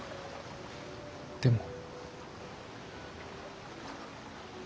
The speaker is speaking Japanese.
でも。